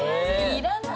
要らない。